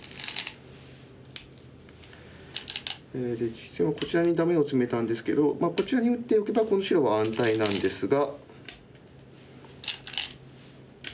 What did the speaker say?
実戦はこちらにダメをツメたんですけどこちらに打っておけばこの白は安泰なんですが。